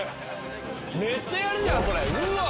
めっちゃやるじゃんこれうわ！